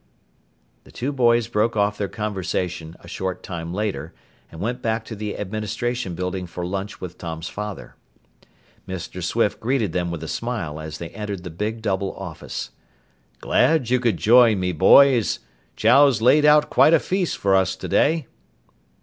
The two boys broke off their conversation a short time later and went back to the Administration Building for lunch with Tom's father. Mr. Swift greeted them with a smile as they entered the big double office. "Glad you could join me, boys! Chow's laid out quite a feast for us today."